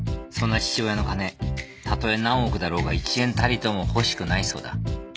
そんな父親の金たとえ何億だろうが１円たりとも欲しくないそうだ。